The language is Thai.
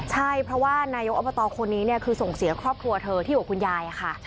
ใช่เพราะว่านายกอบตคนนี้คือส่งเสียครอบครัวเธอที่อยู่กับคุณยายค่ะ